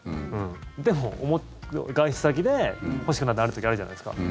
でも、外出先で欲しくなる時あるじゃないですか。